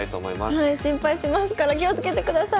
心配しますから気をつけてください。